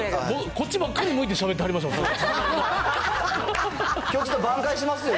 こっちばっかり向いてしゃべってはりましたよ。